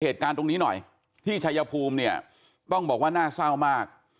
เหตุการณ์ตรงนี้หน่อยที่ชายภูมิเนี่ยต้องบอกว่าน่าเศร้ามาก